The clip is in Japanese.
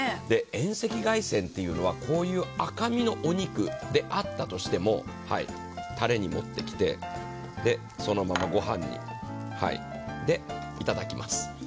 遠赤外線っていうのはこういう赤身のお肉であったとしても、タレに持ってきて、そのまま御飯にで、いただきます。